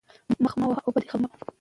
مخ مه وهه او بدې خبرې مه کوه.